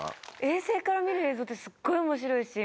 衛星から見る映像ってすっごい面白いし